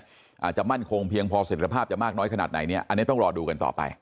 อาจจะมั่นคงเพียงพอเสร็จภาพจะมากน้อยขนาดไหนเนี้ยอันนี้ต้องรอดูกันต่อไป